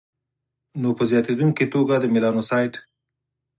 نو په زیاتېدونکي توګه د میلانوسایټ